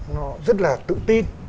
nó rất là tự tin